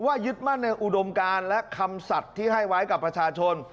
ยึดมั่นในอุดมการและคำสัตว์ที่ให้ไว้กับประชาชน